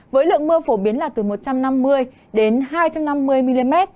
với lượng mưa phổ biến là từ một trăm năm mươi đến hai trăm năm mươi mm